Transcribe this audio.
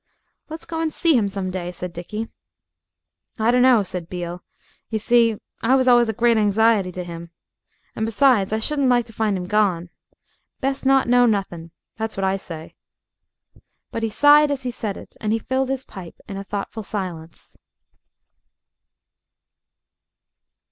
"Let's go and see him some day," said Dickie. "I dunno," said Beale; "you see, I was allus a great hanxiety to 'im. And besides, I shouldn't like to find 'im gone. Best not know nothing. That's what I say." But he sighed as he said it, and he filled his pipe in a thoughtful silence.